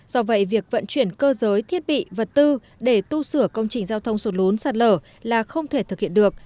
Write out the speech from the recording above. do vậy việc vận chuyển cơ giới thiết bị vật tư để tu sửa công trình giao thông sụt lốn sạt lở là không thể thực hiện được